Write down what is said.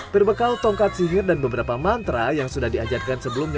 berbekal tongkat sihir dan beberapa mantra yang sudah diajarkan sebelumnya